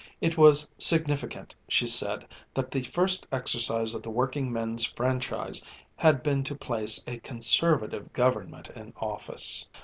It was significant, she said, that the first exercise of the working men's franchise had been to place a Conservative Government in office.